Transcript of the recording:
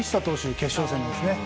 決勝戦ですね。